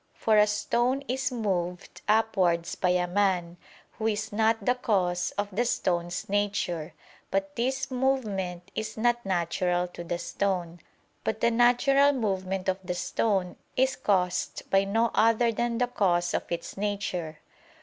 For a stone is moved upwards by a man, who is not the cause of the stone's nature, but this movement is not natural to the stone; but the natural movement of the stone is caused by no other than the cause of its nature.